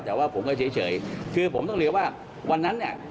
แต่ว่าผมก็เจ๋ยเฉยคือผมว่านั้นเนี่ย